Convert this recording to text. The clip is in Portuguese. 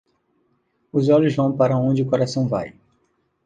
Os olhos vão para onde o coração vai.